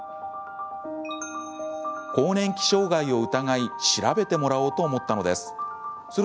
更年期障害を疑い調べてもらおうと思ったのです。